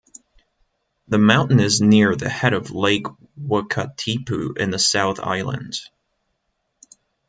The mountain is near the head of Lake Wakatipu in the South Island.